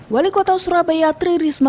wali kota surabaya tri risma